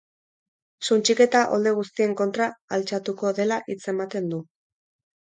Suntsiketa olde guztien kontra altxatuko dela hitz ematen du.